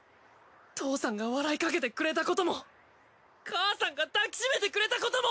父さんが笑いかけてくれたことも母さんが抱きしめてくれたことも！